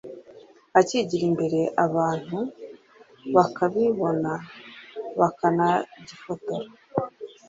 akigira imbere abantu bakakibona bakanagifotora